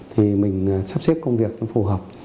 thì mình sắp xếp công việc nó phù hợp